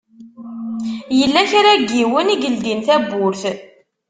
Yella kra n yiwen i yeldin tawwurt.